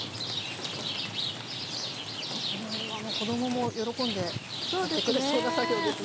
この辺はあの子供も喜んでやってくれそうな作業ですね。